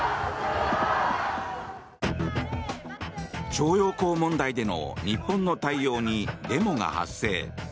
徴用工問題での日本の対応にデモが発生。